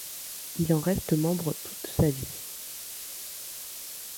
Il en reste membre toute sa vie.